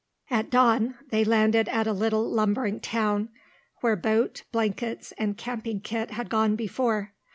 At dawn they landed at a little lumbering town, where boat, blankets, and camping kit had gone before.